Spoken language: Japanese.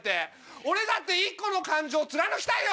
俺だって１個の感情貫きたいよ！